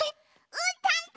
うーたんと！